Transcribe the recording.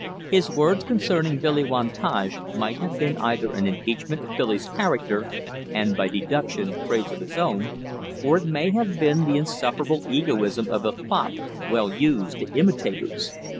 His words concerning Billy Wantage might have been either an impeachment of Billy's character and, by deduction, praise of his own, or it may have been the insufferable egoism of the fop, well used to imitators.